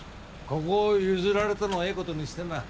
ここを譲られたのをいいことにしてな